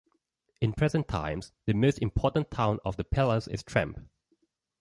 In present times the most important town of the Pallars is Tremp.